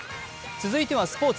続いてはスポーツ。